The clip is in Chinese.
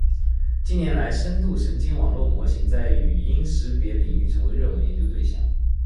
近年来，深度神经网络模型在语音识别领域成为热门研究对象。